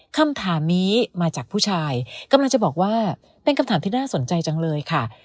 คำถามนี้มาจากผู้ชายกำลังจะบอกว่าเป็นคำถามที่น่าสนใจจังเลยค่ะ